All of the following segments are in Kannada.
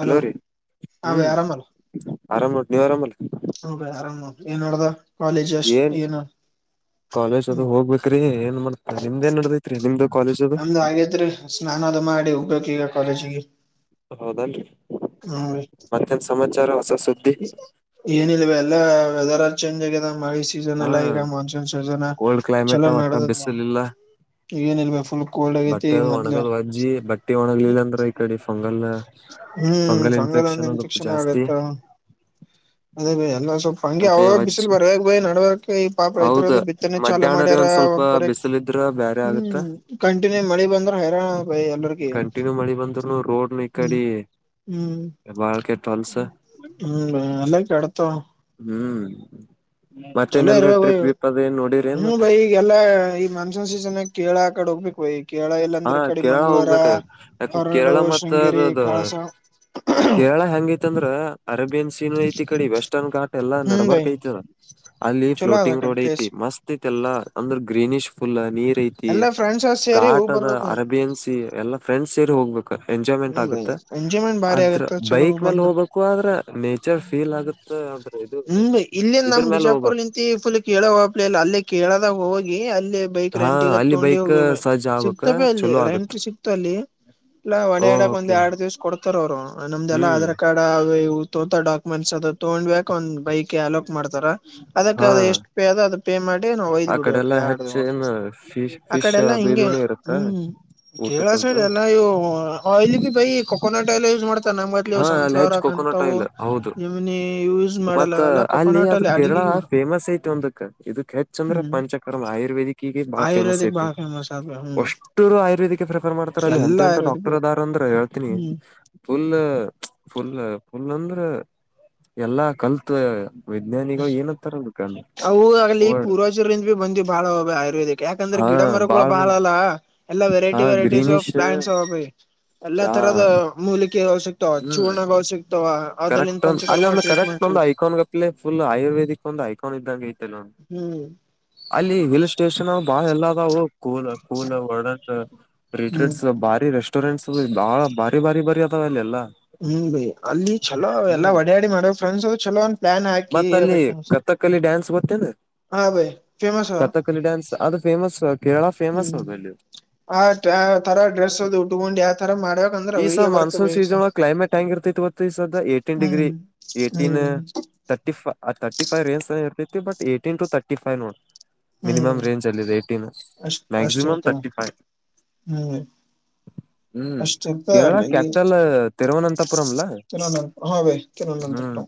ಹಲೋ ರೀ ಹ ಬೈ ಹ್ಮ್ ಆರಾಮಲ್ಲ ಆರಾಮ್ ಉಟ್ಟ ನೀವ್ ಆರಾಮಲ್ಲ ಹ ಬೈ ಆರಾಮ್ ನೋಡ್. ಏನ್ ಮಾಡಡ್ದ ಕಾಲೇಜ ಅಷ್ಟ್ ಏನ್ ಏನು ಕಾಲೇಜ್ ಅದು ಹ್ಮ್ ಹೋಗ್ಬೇಕ್ರಿ ಏನ್ ಮಾಡ್ತ ನಿಮ್ದೇನ್ ನಡದೈತ್ರಿ ನಿಲ್ದು ಕಾಲೇಜ್ ಅದು ನಾನದು ಮಾಡಿ ಉಪಯೋಗ ಈಗ ಕಾಲೇಜಿಗೆ ಹೌದಲ್ರಿ ಮತ್ತ್ಯಾನ್ ಸಮಾಚಾರ ಹೊಸ ಸುದ್ದಿ ಏನಲ್ವ ಎಲ್ಲ ವೆದರ್ ಚೇಂಜ್ ಆಗಿದೆ ಮಾಡ ಸೀ ಹಾ ಅಲ್ಲ ಮನ್ಸೂ ಸ ಕೋಲ್ಡ್ ಚಲ ಕ್ಲೈಮೇಟ್ ನಡ ಒಟ್ಟ ಬಿಸಿಲಿಲ್ಲ ಏನ ಇಲ್ ಬ ಫುಲ್ ಕೋಲ್ಡ್ ಆಗೈತಿ ಬಟ್ಟೆ ಅದು ಮೊದ್ಲ ಒಣಗದ್ ವಜ್ಜಿ ಬಟ್ಟೆ ಒಣಗ್ಲಿಲ್ಲ ಅಂದ್ರೆ ಈ ಕಡೆ ಫಂಗಲ್ ಹ್ಮ್ ಫಂಗಲ್ ಅಂದ ಇನ್ಫೆಕ್ಷನ್ ಆಗತ್ತ ಅದೇ ಎಲ್ಲ ಸ್ವಲ್ಪ ಹಂಗಗೆ ಮತ್ತೆ ಅವಾಗ ವಜ್ಜ್ ಬಿಸಿಲು ಬರಕ್ ಬಯ ನಡವಕ್ ಈ ಪಾಪ ಹೌದ ರೈತರದದು ಬಿತ್ತನೆ ಚಾಲು ಮಧ್ಯಾಹ್ನ ರೀ ಮಾಡ್ಯಾರ ಒಂದ್ ಸ್ವಲ್ಪ ಬರ ಬಿಸಿಲಿದ್ರ ಬ್ಯಾರೆ ಆಗತ್ತ ಹ್ಮ್ ಕಂಟಿನ್ಯೂ ಮಳಿ ಬಂದ್ರೆ ಹೈರಾಣ ಎಲ್ರಿಗ ಕಂಟಿನ್ಯೂ ಮಳಿ ಬಂದ್ರುನು ರೋಡ್ನ ಈ ಕಡಿ ಹ್ಮ್ ಬಾಳ್ ಕೆಟ್ಟ ಹೊಲ್ಸ ಹ್ಮ ಅಲ್ಲ ಕೆಡ್ತ ಹ್ಮ್ ಚಲೋ ಮತ್ತೇನಲ್ರಿ ಇರವ ಭೈ ಟ್ರಿಪ್ ಗ್ರಿಪ್ ಅದ ಏನ್ ನೋಡಿರಿ ಏನ್ ಹ್ಮ್ ಮತ್ತ ಭೈ ಈಗೆಲ್ಲಾ ಈ ಮಾನ್ಸೂನ್ ಸೀಸನ್ ಕೇಳಳಾ ಕಡೆ ಹೋಗಬೇಕು ಒ ಈ ಕೇಳ ಹಾ ಇಲ್ಲಾಂದ್ರೆ ಕಡೆ ಕೇರಳ ಮಂಗ್ಗಳೂರ ಹೋಗ್ಬೇಕ ಯಾಕ ಕೇರಳ ಹೊರನಾಡು ಮತ್ತ ಶೃಂಗೇರಿ ಅದ ಕಳಸ ಕೇರಳ ಹೆಂಗ ತ್ಂದ್ರ ಅರೇಬಿಯನ್ ಸೀನ್ ಐತಿ ಕಡೆ ವೆಸ್ಟರ್ನ್ ಕಾ್ಟಟ್ ಎಲ್ಲಾ ಹ್ಮ್ ಬೈ ನಡಬಾರಕಐತದ ಅಲ್ಲಿ ಚಲೋ ಅದ ಆ ಫ್ಲೋಟಿಂಗ್ ಕಡೆ ರೋಡ್ ಪ್ಲೇಸ್ ಐತಿ ಮಸ್ತ್ ಐತಿ ಎಲ್ಲಾ ಅಂದ್ರೆ ಗ್ರೀನಿಶ್ [unintelligible] [unintelligible] ನೀರ್ಐತಿ ಎಲ್ಲಾ ಫ್ರೆಂಡ್ಸ್ ಸೇರಿ ಹೋಗ್ ಘಾಟದ ಬರ್ಬೇಕು ಅರಬಿಯನ್ಸಿ ಎಲ್ಲಾ ಫ್ರೆಂಡ್ಸ್ ಸೇರಿ ಹೋಗ್ಬೇಕು ಎಂಜಾಯ್ಮೆಂಟ್ ಹ್ಮ್ ಬೈ ಆಗುತ್ತೆ ಎಂಜಾಯ್ಮೆಂಟ್ ಬಾರಿ ಆದ್ರ ಆಗತ್ತ ಚಲೋ ಬೈಕ್ ಮೇಲೆ ಬಂದ್ರ ಹೋಗ್ಬೇಕು ಆದ್ರೆ ನೇಚರ್ ಫೀಲ್ [unintelligible] ಇದು [unintelligible] ಇಲ್ಲಿ ಇದ್ರ ನಮ್ ಮೇಲೆ ಬಿಜಾಪುರ್ ಹೋಗ್ಬಾರ್ದು ನಿಂತ ಫುಲ್ ಕೇಳೋ [unintelligible] ಇಲ್ಲ ಅಲ್ಲೇ [unintelligible] ಹೋಗಿ ಅಲ್ಲಿ [unintelligible] ಬೈಕ್ ಹಾ ರೆಂಟ್ಗ ಅಲ್ಲಿ ತಗೊಂಡಿ ಬೈಕ್ ಹೋಗ್ಬೇಕ ಸಜ್ಜ ಆಗ್ಬೇಕ ಸಿಕ್ತವೆ ಅಲ್ಲಿ ಚಲೋ ಆಗತ್ ರೆಂಟ್ ಸಿಕ್ತ ಅಲ್ಲಿ ಇಲ್ಲ ಹೊಡಡಕ್ ಒಂದ್ ಓಕೆ ಎರಡ್ ದಿವ್ಸ ಕೊಡ್ತಾರ ಅವ್ರು ನಮ್ದೆಲ್ಲ ಹ್ಮ್ ಆಧಾರ್ ಕಾರ್ಡ್ ಅವು ಇವು ತೋತ ಡಾ [unintelligible] ಮನ್ಸ ಅದ ತಗೊಂಡ್ ಬೇಕ್ ಒಂದ್ ಬೈಕ್ [unintelligible] ಮಾಡ್ತಾರ ಅದಕ್ಕೆ ಹಾ ಅದು ಎಷ್ಟು ಪೇ ಅದ ಅದು ಪೇ ಮಾಡಿ ನಾವು ಆ ಒಯದ್ ಕಡೆ ಬಿಡ್ಬೇಕು ಎಲ್ಲಾ ಹೆಚ್ಚ ಏನ್ [unintelligible] ಫಿಶ್ ಆ ಫಿಶ್ ಕಡೆ ಎಲ್ಲಾ ಅದು ಹಿಂಗೆ ಇದನೇ ಇರತ್ತ ಹ್ಮ್ ಕೇಳಸ ಊಟಕ್ಕಂತ [unintelligible] ಬೈ ಕೊಕೋನಟ್ ಆಯಿಳ್ ಯೂಸ್ ಮಾಡ್ತಾನ ಮೊದ್ಲೇ ಹಾ ಅಲ್ಲಿ ಸನ್ಫ್ಲವರ್ ಹೆಚ್ಚ ಕೊಕೋನಟ್ ಆಕಂತವು ಆಯಿಲ್ ಹೌದು ಇಮುನಿ ಮತ್ತ ಅಲ್ಲಿ ಅದು ಕೇರಳ ಫೇಮಸ್ ಐತಿ ಒಂದಕ್ ಇದಕ್ ಹೆಚ್ಚ ಅಂದ್ರೆ ಹ್ಮ್ ಪಂಚಕ್ರಮ ಆಯುರ್ವೇದಿಕ್ [unintelligible] [unintelligible] ಬಾಳ ಫೇಮಸ್ ಆಯುರ್ವೇದಿಕ್ ಐತಿ ಬಾಳ ಫೇಮಸ್ ಆದ ಹ್ಮ್ ಅಷ್ಟರು ಆಯುರ್ವೇದಿಕ್ ಪ್ರೆಫರ್ ಮಾಡ್ತಾರ ಅಲ್ಲಿ ಅಂತ ಎಲ್ಲಾ ಅಂತ ಆಯುರ್ವೇದಿಕ್ ಡಾಕ್ಟರ್ ಅದರ ಅಂದ್ರ ಹೇಳ್ತೀನಿ ಹ್ಮ್ ಫುಲ್ ಫುಲ್ ಫುಲ್ ಅಂದ್ರೆ ಎಲ್ಲಾ ಕಲ್ತ್ ವಿಜ್ಞಾನಿಗಳು ಏನಂತಾರ ಅದಕ್ಕ ಅವು ಅಲ್ಲಿ ವರ್ಡ್ ಪೂರ್ವಜರಿಂಬಿ ಬಂದ್ವಿ ಬಾಳ ಅವೇ ಆಯುರ್ವೇದಿಕ್. ಯಾಕಂದ್ರೆ ಹಾ ಗಿಡ ಮರಗಳು ಬಾಳ್ ಬಾಳ ಮಂದಿ ಅವಲ್ಲ ಎಲ್ಲಾ ಹಾ variety varieties of greenish plants ಅವ್ವ ಬೈ ಎಲ್ಲಾ ಹಾ ತರದ ಮೂಲಿಕೆ [unintelligible] ಹ್ಮ್ [unintelligible] ಕರೆಕ್ಟ್ ಅಲ್ಲಿ ಪಂಚಕರ್ಮ ಒಂದಂದು ಕರೆಕ್ಟ್ ಟ್ರೀಟ್ಮೆಂಟ್ ಒಂದು [unintelligible] ಫುಲ್ [unintelligible] ರ್ವೇದಕ್ ಒಂದು ಐಕಾನ್ ಇದ್ದಂಗ ಐತೆ ಹ್ಮ್ ಅಲ್ಲಿ ಹಿಲ್ ಸ್ಟೇಷನ್ ಬಾಳ ಎಲ್ಲ ಆದವೋ ಕೂಲ ಕೂಲ ಒಡತ ಹ್ಮ್ ರೀರೇಟ್ಸ್ ಬಾರಿ ರಷ್ [unintelligible] ಬಾಳ ಭಾರಿ ಬಾರಿ ಬಾರಿ ಅದಾವ ಅಲ್ಲಿ ಎಲ್ಲ ಹ್ಮ್ ಬಾಯ್ ಅಲ್ಲಿ ಚಲೋ ಎಲ್ಲಾ ಹೊಡಾಡಿ ಮಾಡೋ ಫ್ರೆಂಡ್ಸ ಚಲೋ ಒಂದ್ ಪ್ಲಾನ್ ಹಾಕಿ ಮತ್ತ [unintelligible] ಫೇಮಸ್ ಕತ್ತಕಲಿ ಡ್ಯಾನ್ಸ್ ಅದು ಫೇಮಸ್ ಕೇರಳ ಫೇಮಸ್ ಹ್ಮ್ [unintelligible] [unintelligible] ಆ ತರ ಡ್ರೆಸ್ ಹ್ಮ್ ಅದು ಉಟ್ಕೊಂಡ್ ಆತರ ಮಾಡ್ಬೇಕಕ್ಂದ್ರ ಈ ಅವ್ರಿಗೆ [unintelligible] [unintelligible] ಏಟೀನ್ ಡಿಗ್ರಿ ಹ್ಮ್ ಏಟೀನ್ ತರ್ಟಿ ಫ thirty five [unintelligible] [unintelligible] but eighteen to thirty five no [unintelligible] hmm minimum range ಅಲ್ಲಿದೆ ಏಟೀನ್ ಅಷ್ಟ್ ಮ್ಯಾಕ್ಸಿಮಮ್ ಅಷ್ಟಿರ್ತಾವ ತರ್ಟಿ ಫೈವ್ ಹ್ಮ್ ಹ್ಮ್ ಅಷ್ಟಿದ್ದ ಕೇರಳ ಅಲ್ಲಿಗಿ ಕ್ಯಾಪಿಟಲ್ ತಿರುವನಂತಪುರಂ ಅಲಾ ತಿರುವನಂತಪುರ ಹಾ ಬೇ ಹ್ಮ್ ತಿರುವನಂತಪುರಂ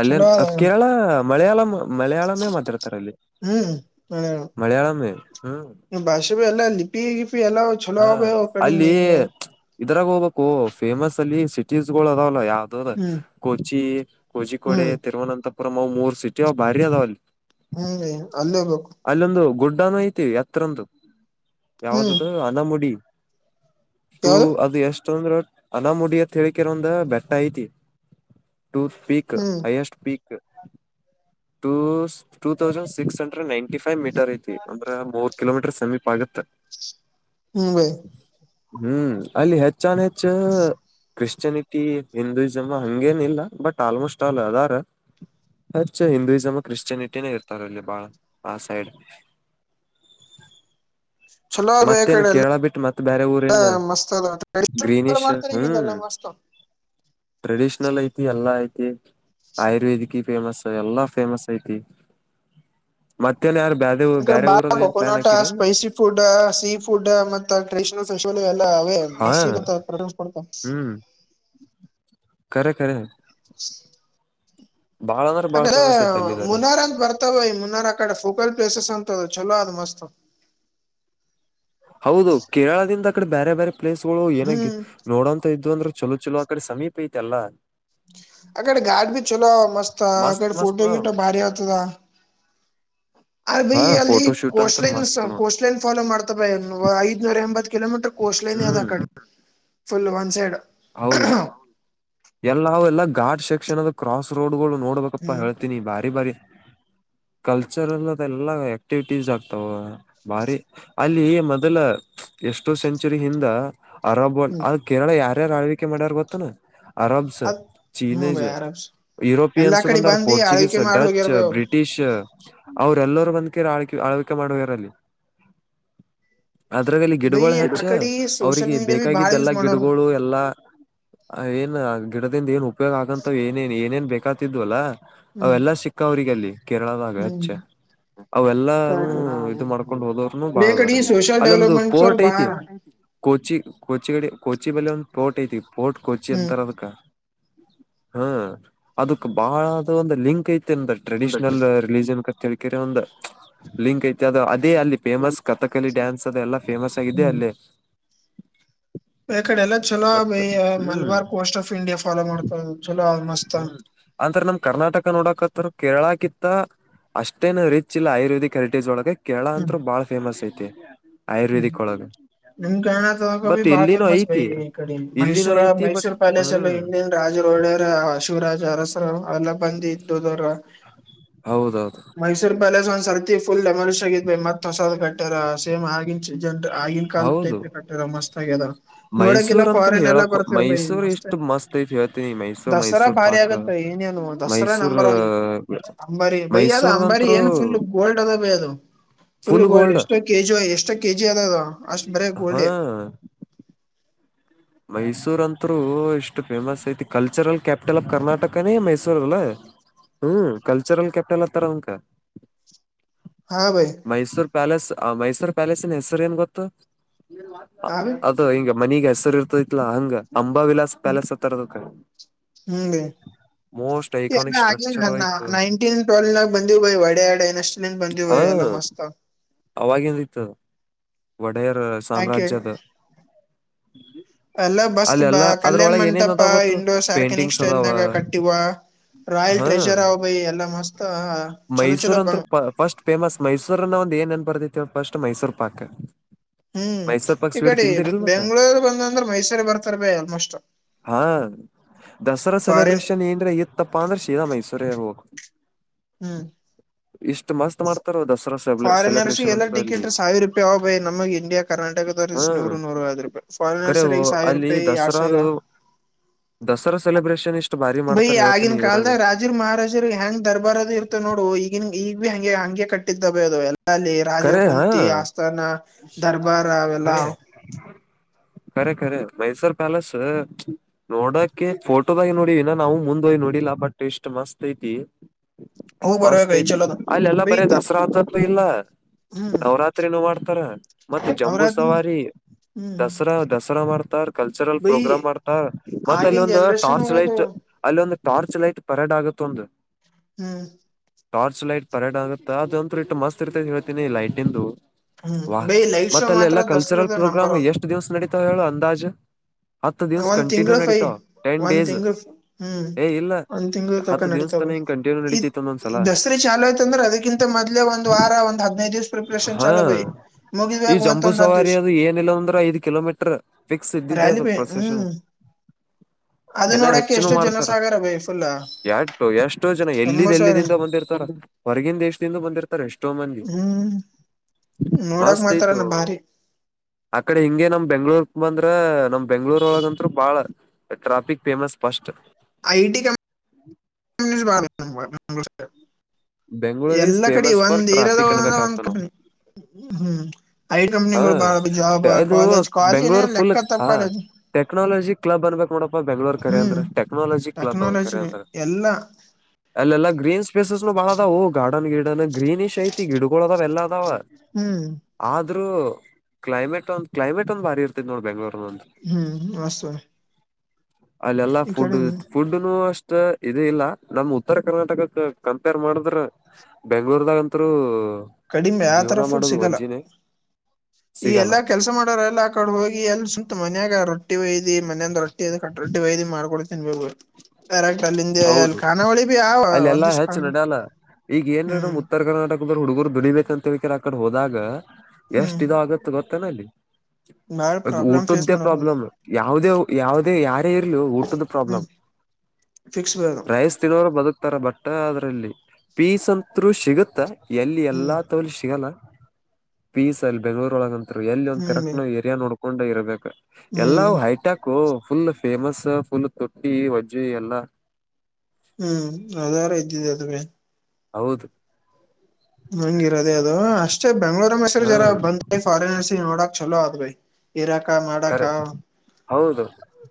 ಅಲ್ಲ ಚಲೋ ಅದ ಕೇರಳ ಮಲಯಾಳಂ ಮಲಯಾಳಮೇ ಮಾತರ್ತಾರೆ ಅಲ್ಲಿ ಹ್ಮ್ ಮಲಯಾಳಮೇ ಹ್ಮ್ ಬಾಷೆ [unintelligible] ಲಿಪಿ ಗಿಪಿ ಎಲ್ಲ ಚಛೋಲ [unintelligible] ಇದರಾಗ ಹೋಗ್ಬೇಕು ಫೇಮಸ್ ಅಲ್ಲಿ ಸಿಟೀಸ್ ಗಳು ಅದಾವಲ್ಲ [unintelligible] [unintelligible] ಹ್ಮ್ ಕೊಚಿ ಕೋಚಿಕೋಡೆ ಹ್ಮ್ ತಿರುವನಂತಪುರಂ ಅವ ಮೂರ್ ಸಿಟಿ ಅವ್ ಭಾರಿ ಅದಾವ ಅಲ್ಲಿ ಹ್ಮ ಬೈ ಅಲ್ಲೋಗ್ಬೇಕು ಅಲ್ಲೊಂದು [unintelligible] ಐತಿ ಎತ್ರಂದು ಹ್ಮ್ ಯಾವ್ದದುು ಅನಮುಡಿ ಯಾವ್ದು [unintelligible] ಅದು ಎಷ್ಟ ಅಂದ್ರ ಅನಾಮಡಿ ಅತ್ ಹೇಳಿ ಕೆಲೊಂದು ಬೆಟ್ಟ ಐತಿ [unintelligible] ಪೀಕ್ ಹ್ಮ್ highest peak [unintelligible] two two thousand six hundred ninety [unintelligible] [unintelligible] metre ಐತಿ ಅಂದ್ರ ಮೂರ್ ಕಿಲೋಮೀಟರ್ ಸಮೀಪ ಆಗುತ್ತೆ ಹ್ಮ್ ಬೈ ಹ್ಮ್ ಅಲ್ಲಿ ಹೆಚ್ಚನ್ ಹೆಚ್ಚು ಕ್ರಿಶ್ಚನಿಟಿ ಹಿಂದೂಯಿಸಮ್ ಹಂಗೇನ ಇಲ್ಲ ಬಟ್ ಆಲ್ಮೋಸ್ಟ್ ಆಲ್ ಅದಾರ ಹೆಚ್ಚು ಹಿಂದೂಯಿಸಮ್ ಕ್ರಿಶ್ಚಿಯಾನಿಟಿನೇ ಇರ್ತಾರಲ್ಲಿ ಬಾಳ ಆ ಸೈಡ್ [unintelligible] ಚಲೋ ಅದ ಬೇ ಆ ಮತ್ತೇನ್ ಕಡೆ ಎಲ್ಲ ಕೇರಳ ಬಿಟ್ಟ ಮತ್ತೆ ಬೇರೆ ಊರ ಏನ್ ಮಸ್ತ್ ಅದ ಗ್ರೀನಿಶ್ ಮಾಡ್ತಾರೆ ಹ್ಮ್ ಈಗಿಂದೆಲ್ಲ ಮಸ್ತ್ ಟ್ರೆಡಿಷನಲ್ ಐತಿ ಎಲ್ಲ ಐತಿ [unintelligible] ಆಯುರ್ವೇದಿಕ್ ಫೇಮಸ್ ಎಲ್ಲಾ ಫೇಮಸ್ ಐತಿ ಮತ್ತೆಲ್ಲ ಯಾರು ಬ್ಯಾರೆ ಈಕಡೆ ಬೇರೆ ಬಾಳ ಊರದ ಏನ್ ಪ್ಲಾನ್ ಕೊಕೋನಟ ಹಾಕಿರೇನ್ ಸ್ಪೈಸಿ ಫುಡ್ ಸೀ ಫುಡ್ ಮತ್ತೆ ಟ್ರೆಡಿಷನಲ್ ಫೆಷ ಹಾ ಬಾಷ್ಟ ಪ್ರವೇಶ ಪಡ್ತ ಹ್ಮ್ ಖರೆ ಖರೆ ಚಿ ಬಾಳ ಅಂದ್ರ ಅ ಬಾಳ ಫೇಮಸ್ ಐತ್ ಅಲ್ಲಿದಾರೆ ಮುನಾರ್ ಅಂತ ಬರ್ತಾವ ಈ ಮುನ್ನಾರ್ ಅ ಕಡೆ ಫೋಕಲ್ ಪ್ಲೇಸಸ್ ಅಂತ ಚಲೋ ಆದ ಮಸ್ತ್ ಹೌದು ಕೇರಳದಿಂದ ಅ ಕಡೆ ಬೇರೆ ಬೇರೆ ಪ್ಲೇಸ್ ಗಳು ಏನಾಗ ಹ್ಮ್ ನೋಡೋಂತ ಇದ್ದು ಅಂದ್ರ ಚಲೋ ಚಲೋ ಅಕ್ಕಡೆ ಸಮೀಪ ಐತೆ ಅಲ್ಲ ಅಕಡೆ ಗಾಡ್ ಬಿ ಚಲೋ ಮಸ್ತ್ ಅಕಡೆ ಫೋಟೋ ಗಟ್ಟ ಭಾರಿ ಆತದ ಅ ಬೈ ಹಾ ಅಲ್ಲಿ ಫೋಟೋ ಶೂಟ್ ಅಂತ ಕೋಸ್ಟ್ಲೈನ್ ಮಸ್ತ್ ನೋಡ್ ಕೋಸ್ಟ್ಲೈನ್ ಫಾಲೋ ಮಾಡ್ತ ಬ ಐದ್ನೂರ ಎಂಬತ್ ಕಿಲೋಮೀಟರ್ ಕೋಸ್ಟ್ ಲೈನ್ ಯದ ಹ್ಮ್ ಅ ಕಡೆ ಫುಲ್ ಒನ್ ಸೈಡ್ ಹೌದು ಎಲ್ಲ ಎಲ್ಲ ಾಡ್ ಸೆಕ್ಷನ್ದ ಕ್ರಾಸ್ ರೋಡ್ಗಳು ನೋಡ್ಬೇಕಪ್ಪ ಹ್ಮ್ ಹೇಳ್ತೀನಿ ಬಾರಿ ಬಾರಿ ಕಲ್ಚರಲ್ ಅದೆ ಎಲ್ಲಾ ಆಕ್ಟಿವಿಟೀಸ್ ಆಗ್ತಾವ ಬಾರಿ ಅಲ್ಲಿ ಮೊದಲ ಎಷ್ಟೋ ಸೆಂಚುರಿ ಹಿಂದ ಅರಬ್ಲ್ ಹ್ಮ್ ಅ ಕೇರಳ ಯಾರ್ಯಾರು ಆಳ್ವಿಕೆ ಮಾಡ್ಯಾರ ಗೊತ್ತನಾ ಆರಬ್ ಸ ಅದ್ ಹ್ಮ ಚೀನೀಸ್ ಬೈ ಆರಾಮ್ಸ ಎಲ್ಲಾ ಯುರೋಪಿಯನ್ಸ್ು ಕಡೆ ಬಂದಾರ ಬಂದಿ ಪೋರ್ಚುಗೀಸ್ ಆಳ್ವಿಕೆ ಮಾಡಿ ಡಚ್ ಹೋಗ್ಯಾರ ಬೈ ಅವ್ರು ಬ್ರಿಟಿಷ್ ಅವ್ರ ಎಲ್ಲರು ಬಂದ್ಕ ಆಳ್ೆ ಆಳ್ವಿಕೆ ಮಾಡುವರಲ್ಲಿ ಅದ್ರಲ್ಲಿ ಬೈ ಗಿಡಗಳು ಹಚ್ಚ ಆ ಕಡೆ ಸೋಷಿಯಲ್ ಅವ್ರಿಗೆ ಮೀಡಿಯಾ ಬಿ ಬಾಳ ಬೇಕಾಗಿದ್ದ ಎಲ್ಲಾ ಯೂಸ್ ಮಾಡೋರ ಗಿಡಗಳು ಆ ಏನ್ ಗಿಡದಿಂದ ಏನ್ ಉಪಯೋಗ ಆಗಂತ್ ಏನೇನ್ ಏನೇನ್ ಬೇಕತಿದ್ವಲ್ಲಾ ಹ್ಮ್ ಅವೆಲ್ಲ ಸಿಕ್ಕ ಅವ್ರಿಗೆ ಅಲ್ಲಿ ಕೇರಳದಾಗ ಹ್ಮ್ ಹಚ್ಚೆ ಅವೆಲ್ಲಾನೂ ಇದು ಕರೆಕ್ಟ್ ಮಾಡ್ಕೊಂಡ್ ಹೋದವರುನು ಬೇ ಕಡೆ ಬಾಳದಾರಲ್ಲಿ ಸೋಷಿಯಲ್ ಅಲ್ಲಿ ಒಂದು ಡೆವಲಪ್ಮೆಂಟ್ಸ್ ಅವ್ರ ಪೋರ್ಟ್ ಐತಿ ಬಾಳ ಕೊಚಿ ಕೊಚಿ ಕಡೆ ಕೊಚಿ ಬಲ್ಲಿ ಒಂದು ಪೋರ್ಟ್ ಐತಿ ಪೋರ್ಟ್ ಕೊಚಿ ಹ್ಮ್ ಅಂತಾರ ಅದಕ ಹಾ ಅದಕ್ ಬಹಳದ ಒಂದು ಲಿಂಕ್ ಐತಿ ಟ್ರೆಡಿಷ್ನಲ್ ರಿಲಿಜನ್ ಕೇಳ್ಕರ ಒಂದು ಲಿಂಕ್ ಐತಿ ಅದು ಅದೇ ಅಲ್ಲಿ ಫೇಮಸ್ ಕಥಕಲಿ ಡ್ಯಾನ್ಸ್ ಅದೆ ಎಲ್ಲಾ ಫೇಮಸ್ ಆಗಿದೆ ಹ್ಮ್ ಅಲ್ಲಿ ಈ ಕಡೆ ಎಲ್ಲ ಚಲೋ ಬೈ ಮತ್ ಹ್ಮ್ Malabar coast of India follow ಮಾಡ್ತ ಚಲೋ ಮಸ್ತ್ ಅಂದ್ರ ನಾಮ್ ಕರ್ನಾಟಕ ನೋಡಕ ಅತ್ರ ಕೇರಳ ಕಿತ್ತ ಅಷ್ಟೇ ರಿಚ್ ಇಲ್ಲ ಆಯುರ್ವೇದಿಕ್ ಹೆರಿಟೇಜ್ ಒಳಗ ಕೇರಳ ಅಂತರು ಬಾಳ ಫೇಮಸ್ ಐತಿ ಹೂ ಆಯುರ್ವೇದಿಕ್ ಒಳಗ ನಿ ಕನ ಕ ಬಟ್ ಇಲ್ಲಿನೂ ಬಾ ೇಮಸ್ ಬೈ ಐತಿ ಕ ಇಲ್ಲಿನೂ ಮೈಸೂರ ಐತಿ ಬಟ್ ಮೈಸೂರ್ ಪ್ಯಾಲೇಸ್ ಎಲ್ಲ ಹ್ಮ್ ಹಿಂದಿನ ರಾಜ ರೋಡರ ಶಿವರಾಜರಸರು ಅಲ್ಲ ಬಂದಿ ಇಡ್ಡೋದರ ಹೌದೌದು ಮೈಸೂರು ಪ್ಯಾಲೇಸ್ ಒಂದ ಸರ್ತಿ ಫುಲ್ ಡಮ್ ಆಗ ಮತ್ ಹೊಸ ಕಟ್ಟಾರ ಸೇಮ್ ಹಾಗಿನ್ ಜನ ಆಗಿನ ಕಾಲ್ ಟೈಪ್ ಹೌದು ಕಟ್ಟರ ಮಸ್ತ್ ಆಗ್ಯದ ನೋಡಕೆಲ್ಲ ಮೈಸೂರ್ ಅಂತ್ರ ಫಾರಿನ್ ಎಲ್ಲಾ ಹೇಳಕ್ ಬರ್ತರ ಬೈ ಮೈಸೂರ್ ಮಸ್ತ್ ಎಷ್ಟು ಐತಿ ಹೇಳ್ತೀನಿ ಮೈಸೂರ್ ದಸರಾ ಮೈಸೂರ್ ಭಾರಿ ಪಾಕ್ ಆಗತ್ತ ಏನೇನು ದಸರಾ ಮೈಸೂರ್ ನಂಬರ್ ಒನ್ ಂಬಾರಿ ಬೈ ಅದು ಅಂಬಾರಿ ಮೈಸೂರ್ದಂತ್ರು ಏನ್ ಫುಲ್ ಗೋಲ್ಡ್ ಅದ ಬೈ ಅದು ಫುಲ್ ಗೋಲ್ಡ್ ಎಷ್ಟೋ ಕೆಜಿ ಎಷ್ಟ ಕೆಜಿ ಅದ ಅಷ್ಟ್ ಬಾರಿ ಗೋಲ್ಡ ಹಾ ಮೈಸೂರ್ ಅಂತರು ಎಷ್ಟು ಫೇಮಸ್ ಐತಿ ಕಲ್ಚರಲ್ ಕ್ಯಾಪಿಟಲ್ ಆಫ್ ಕರ್ನಾಟಕನೇ ಮೈಸೂರ್ ಅಲ್ಲ ಹೂ ಕಲ್ಚರಲ್ ಕೆ್ಯಾಪ್ಟಲ್ ಹತ್ತಾರ ಅವಂಕ ಹಾ ಬೈ ಮೈಸೂರ್ ಪ್ಯಾಲೇಸ್ ಮೈಸೂರು ಪ್ಯಾಲೇಸ್ನ್ ಹೆಸರು ಏನ್ ಗೊತ್ತು ಹಾ ಬೈ ಅದು ಹಿಂಗ ಮನೀಗ್ ಹೆಸರು ಇರ್ತತ್ಲಾ ಹಂಗ ಅಂಬಾವಿಲಾಸ್ ಪ್ಯಾಲಸ್ ಅಂತರ ಅದುಕ ಹೂ ರೀ ಎಲ್ಲ ಐಕಾನಿಕ್ ಆಗ ಸ್ಟ್ರಕ್ಚರ್ ಆಯ್ತು ನೈನ್ಟೀನ್ ಟ್ಲ್ ನ ಬಂದ ಒಡೆ ಎಡೆ ಇಸ್ಟ್ ಬಂದ ಎಲ್ಲ ಮಸ್ತ ಆ ಅವಗಿಂದು ಇತ್ತು ಅದು ಒಡೆಯರ್ ಯಾಕೆ ಸಾಮ್ರಾಜ್ಯದ ಎಲ್ಲ ಬಸ್ ಅಲ್ಲ ಬ ಎಲ್ಲಾ ಕಲ್ಯಾಣ ಅದ್ರೊಳಗೆ ಏನೇನ್ ಮಂಟಪ ಅದಾವ ಗೊತ್ತು ಇಂಡೋ ಸಾರ್ಕನಿಕ್ ಪೇಂಟಿಂಗ್ಸ್ ಸ್ಟೈಲ್ ಅದಾವ ನಾಗ ಕಟ್ಟಿವ ರಾಯಲ್ ಹಾ ಟ್ರೆಜರ್ ಅವ ಬೈ ಎಲ್ಲಾ ಮಸ್ತ್ ಚಲೋ ಚಲೋ ಬ ಮೈಸೂರಂತ ಫಸ್ಟ್ ಫೇಮಸ್ ಮೈಸೂರನ್ನ ಒಂದ ಏನ ಬರ್ದ ಫಸ್ಟ್ ಮೈಸೂರ್ ಪಾಕ್ ಹ್ಮ್ ಮೈಸೂರ್ ಪಾಕ್ ಈ ಸ್ವೀಟ್ ಕಡೆ ತಿಂದಿರಿಲ್ ಮತ್ತ ಬೆಂಗ್ಳೂರ್ ಬಂದಂದ್ರೆ ಮೈಸೂರಿಗೆ ಬರ್ತಾರ ಬೇ ಅ ಹಾ ದಸರಾ ಫಾರಿನ್ ಸೆಲೆಬ್ರೇಷನ್ ಏನ್ ಇತ್ತಪ್ಪಾ ಅಂದ್ರ ಶೀರಾ ಮೈಸೂರ ಹೋಗ ಹ್ಮ್ ಇಷ್ಟು ಮಸ್ತ್ ಮಾಡ್ತಾರ ಅದ ಫಾರಿನರ್ಸ್ ಎಲ್ಲ ಟಿಕೆಟ್ ಸಾವಿರ ರೂಪಾಯಿ ಅವ ಬೈ ನಮ್ ಇಂಡಿಯಾ ಕರ್ನಾಟಕದವರ್ ನೂರು ನೂರ ಐದು ರೂಪಾಯಿ ಫಾರ ಕರೆವು ಅಲ್ಲಿ ದಸರಾದು ದಸರಾ ಸೆಲೆಬ್ರೇಷನ್ ಇಷ್ಟು ಭಾರಿ ಬಯಿ ಮಾಡ್ತಾರ ಆಗಿನ ಹೇಳ್ತೀನಿ ಕಾಲದ ಇದ್ರಾಗ ರಾಜರ್ ಮಹಾರಾಜರು ಹೆಂಗ್ ದರ್ಬಾರದ ಇರ್ತ ನೋಡು ಈಗಿನ ಈಗ್ ಬಿ ಹಂಗೆ ಹಂಗೆ ಕಟ್ಟಿದ್ದ ಬ ಅದು ಎಲ್ಲ ಹಿ ರಾಜರ ಕರೆ ಹಾ ಕುಂತಿ ಆಸ್ಥಾನ ದರ್ಬಾರ ವಲ್ಲ [inaudible] ರೆ ಖರೆ ಮೈಸೂರ್ ಪ್ಯಾಲೇಸ್ ನೋಡಕೆ ಫೋಟೋದಾಗ ನೋಡಿನ್ನ ನಾವು ಮುಂದ ಹೋಗಿ ನೋಡಿಲ್ಲ ಕಪಟ್ಟ ಎಷ್ಟಟ್ ಮಸ್ತ್ ಐತಿ ಹೋಗ್ ಬರ್ಬೇಕ ಮಸ್ತ್ ಐ ಐತಿ ಚಲೋದ ಅಲ್ಲ ಎಲ್ಲಾ ಬರೇ ಬೈತ ದಸರಾ ಅಂತ್ದು ಇಲ್ಲ ಹ್ಮ್ ನವರಾತ್ರಿನೂ ಮಾಡ್ತಾರ ಮತ್ತೆ ಜಂಬೂ ಅವ್ರಾದ್ ಸವಾರಿ ಹ್ಮ್ ದಸರಾ ದಸರಾ ಮಾಡ್ತಾರ್ ಕಲ್ಚರಲ್ ಬೈ ಪ್ರೋಗ್ರಾಮ್ ಮಾಡ್ತಾರ ಮತ್ತೆ ಅಲ್ಲಿ ಆಗಿನ ಒಂದು ಜನ್ರೇಷನ್ ಟಾರ್ಚ್ ಅದು ಲೈಟ್ ಅಲ್ಲಿೊಂದು ಒಂದು ಟಾರ್ಚ್ ಲೈಟ್ ಪರೇಡ್ ಆಗುತ್ತ ಒಂದು ಹ್ಮ್ ಟಾರ್ಚ್ ಲೈಟ್ ಪರಡ ಆಗುತ್ತೆ ಅದೊಂತೂ ಇಟ್ಟು ಮಸ್ತ್ ಇರ್ತೈ ಹೇಳ್ತಿನಿ ಲೈಟ ಇಂದು ಹ್ಮ್ ವಾ ಬೈ ಲೈಟ್ ಮತ್ತ ಶೋ ಅಲ್ಲಿ ಎಲ್ಲಾ ಮಾತ್ರ ಕಲ್ಚರಲ್ ದಸರಾದ ಪ್ರೋಗ್ರಾಮ್ ನಂಬರ್ ಒನ್ ಎಷ್ಟು ದಿವ್ಸ ನಡೀತಾವ ಹೇಳೋ ಅಂದಾಜು ಹತ್ತು ದಿವ್ಸ ಒಂದ್ ಕಂಟಿನ್ಯೂ ತಿಂಳು ಫೈ ನಡೀತಾವ ಟೆನ್ ಒಂದ್ ಡೇಸ್ ತಿಂಗ್ಗಳು ಹ್ಮ್ ಏ ಇಲ್ಲ ಒಂದ್ ತಿಂಗಳು ತಕ ಹತ್ತು ದಿವ್ಸ ತನ ನಡತವೆ ಹಿಂಗ್ ಕಂಟಿನ್ಯೂ ಈ ನಡೀತಿತ್ ಒಂದೊಂದ್ಸಲ ದಸ್ರಾ ಚಾಲು ಆಯ್ತ ಅಂದ್ರೆ ಅದಕ್ಕಿಂತ ಮೊದ್ಲೆ ಒಂದ್ ವಾರ ಒಂದ್ ಹದ್ದ್ ದಿವ್ಸ ಪ್ರಿಪ್ರೇಷನ್ ಚಾ ಹಾ ಭೈ ಈ ಜಂಬೂ ಸವಾರಿ ಅದು ಏನಿಲ್ಲ ಅಂದ್ರೆ ಐ್ ಕಿಲೋಮೀಟರ್ ಫಿಕ್ಸ್ ಇದ್ದಿದ ರ್ಯಾಲಿ ಅದು ಬೈ ಹ್ಮ್ ಅದು [inaudible] ಇನ್ನ ನೋಡಕ್ಕೆ ಹೆಚ್ಚಿನ ಎಷ್ಟು ಮಾಡ್ತಾರ ಜನಸಾಗರ ಬೈ ಫುಲ್ ಎಷ್ಟು ಎಷ್ಟೋ ಜನ ಎಲ್ಲಿಿದ್ದ್ ಎಂಬತ್ ಎಲ್ಲಿ ಸಾವಿರ ದಿಂದ ಬಂದಿರ್ತಾರ ಹೊರಗಿನ ದೇಶದಿಂದ ಬಂದಿರ್ತಾರೆ ಎಷ್ಟೋ ಮಂದಿ ಹ್ಮ್ ನೋಡಕ್ ಮಸ್ತ್ ಮಾತ್ರ ಆಯ್ತು ಭಾರಿ ಆ ಕಡೆ ಹಿಂಗಗೆ ನಮ ಬೆಂಗಳೂರು ಬಂದ್ರ ನಮ ಬೆಂಗ್ಳೂರ್ ಒಳಗಂತ್ ಬಾಳ traffic famous first I T ಕ [inaudible] ಬೆಂಗಳೂರ್ ಈಸ್ ಎಲ್ಲ ಕಡೆ ಫೇಮಸ್ ಫಾರ್ ಒಂದಏರದ ಟ್ರಾಫಿಕ್ ಒ ಒಂದ್ ಅನ್ಬೇಕಾಗ್ತ ನಾವು ಕಪನಿ ಹ್ಮ್ ಐಟ ಕಂಪನಿಗಳು ಬಹ ಜಾಬ್ ಹ ಅದು ಕಾಲೇಜ್ ಕಾಲೇಜ್ ಏನ ಬೆಂಗಳೂರ್ ಫುಲ್ ಲೆಕ್ಕ ತ ಹಾ ಕಾಲೇಜ್ ಟೆಕ್ನಾಲಜಿ ಕ್ಲಬ್ ಅನ್ಬೇಕಕ್ ನೋಡಪ್ಪಾ ಬೆಂಗಗಳೂ ಕರೆ ಹ್ಮ್ ಅಂದ್ರ ಟೆಕ್ನಾಲಜಿ ಕ್ಲಬ್ ಅವ ಟೆಕ್ನಾಲಜಿ ಕರೆ ಅಂದ್ರ ಎಲ್ಲಾ ಅಲ್ಲ ಎಲ್ಲ ಗ್ರೀನ್ ಸ್ಪೇಸಸ್ ನ ಬಾಳ ಅದ ಗಾರ್ಡನ್ ಗಿಡನ್ ಗ್ರೀನಿಶ್ ಐತಿ ಗಿಡ್ಗಳುೊದಾವ ಎಲ್ಲ ಅದಾವ ಆದ ಹ್ಮ್ ಆದ್ರ ಕ್ಲೈಮೇಟ್ ಒಂದ ಕ್ಲೈಮೇಟ್ ಒಂದ ಬಾರಿ ಇರ್ತ್ ನೋಡ ಬೆಂಗ್ಳೂರು ಹ್ಮ್ ಆಷ್ಟು ಅಲ್ಲೆಲ್ಲಾ ಫುಡ್ ಫುಡ್ನು ಅಷ್ಟ ಇ ಇಲ್ಲ ನಮ್ ಉತ್ತರ ಕರ್ನಾಟಕಕ್ಕೆ ಕಂಪೇರ್ ಮಾಡಿದ್ರೆ ಬೆಂಗ್ಳೂರ್ದಾಗಂತರು ಕಡಿಮೆ ಯಾವತರ ಜೀವನ ಫುಡ್ ಮಾಡೋದು ಸಿಗಲ್ಲ ವಜ್ಜಿನೇ ಈ ಸಿಗಲ್ಲ ಎಲ್ಲಾ ಕೆಲಸ ಮಾಡೋರೆ ಎಲ್ಲ ಆ ಕಡೆ ಹೋಗಿ ಎಲ್ ಸುಂತ ಮನ್ಯಾಗ ರಟ್ಟಿ ವಯದಿ ಮನೆಯಂದ ರೊಟ್ಟಿ ಕ ರಟ್ಟಿ ವಹಯದಿ ಮಾಡ್ಕೊಳ್ತನ್ ಬೇು ಬರೆಕ್ ಅಲ್ಲಿಂದ ಅಲ್ಲಿ ಹೌದು ಕಾನಾವಳಿ ಬಿೀ ಯ ಒಂದ್ ಅಲ್ಲೆಲ್ಲಾ ಹೆಚ್ಚ ದಿಸಕೊಂಡು ನಡ್ಯಲ್ಲ ಈಗ ಏನ್ ನಮ ಉತ್ತರ್ ಕರ್ನಾಟಕದ್ರ ಹುಡುಗರು ಧ್ನಿ ಯಂತಕರ ಆ ಕಡೆ ಹೋದಾಗ ಹ್ಮ್ ಎಷ್ಟ ಇದ ಆಗುತ್ತ ಗೊತ್ತೇನ ಅಲ್ಲಿ ಬಾಳ ಅದು ಪ್ರಾಬ್ಲಮ್ ಫೇಸ್ ಊಟದ್ದೇ ಮಾಡವ ಪ್ರಾಬ್ಲಮ್ ಯಾವದೇ ಯಾವ್ದೇ ಯಾರೇ ಇರ್ಲಿ ಊಟದ ಪ್ರಾಬ್ಲಮ್ ಹ್ಮ್ [inaudible] ಫಿಕ್ಸ್ ಬದ ರೈಸ್ ತಿನ್ನೋರು ಬದುಕ್ತಾರ ಬಟ್ಟ ಅದ್ರಲ್ಲಿ ಪೀಸ್ ಅಂತರು ಸಿಗುತ್ತ ಎಲ್ಲಿ ಹ್ಮ್ ಎಲ್ಲಾ ತಲಿ ಸಿಗಲ್ಲ ಪೀಸ್ ಅಲ್ಲಿ ಬೆಂಗ್ಳೂರ್ ಒಳಗಂತರು ಎಲ್ಲಿ ಒಂದ ಹ್ಮ್ ಕರಕ್ನ ಏರಿಯಾ ನೋಡ್ಕೊಂಡೆ ಇರ್ಬೇಕು ಎಲ್ಲ ಹ್ಮ್ ಹೈಟ್ಯಾಕ್ ಫುಲ್ ಫೇಮಸ್ ಫುಲ್ ತೊಟ್ಟಿ ವಜ್ಜಿ ಎಲ್ಲಾ ಹ್ಮ್ ಅದಾರ ಇದ್ದಿದೆ ಅದೇ ಹೌದು ಹಂಗ ಇರೋದೇ ಅದು ಅಷ್ಟೇ ಬೆಂಗ್ಳೂರ ಹೆಸರು ಹಾ ಜರ ಬಂದ ಫಾರಿನರ್ಸ ನೋಡಕ್ ಚಲೋ ಆತ ಭಿ ಇರಾಕ ಮಾಡಡಕ ಖರೆ ಹೌದು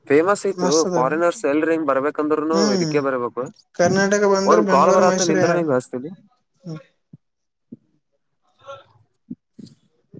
ಫೇಮಸ್ ಐತು ಮಸ್ತ ಅದ ಫಾರಿನರ್ಸ್ ಎಲ್ರಿ ಹಿಂಗ್ ಬರ್ಬೇಕಂದ್ರುನು ಹ್ಮ್ ಇದಕ್ಕೆ ಬರ್ಬೇಕು ಕರ್ನಾಟಕ ಬಂದ್ರೆ ಒಂದ್ ಕಾಲ್ ಬೆಂಗ್ಳೂರು ಬರತ್ತ ಮೈಸೂರು ಯ ನಿಂದ್ರ ನಿಂಗ್ ಹಚ್ತೀನಿ. ಹ್ಮ [inaudible]